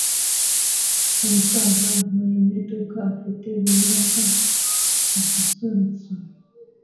Umusaza avuye mu iduka afite ibinyobwa bisusurutsa